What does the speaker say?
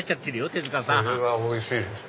手塚さんこれはおいしいです！